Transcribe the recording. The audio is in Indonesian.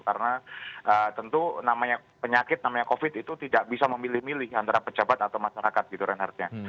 karena tentu penyakit namanya covid itu tidak bisa memilih milih antara pejabat atau masyarakat gitu renard ya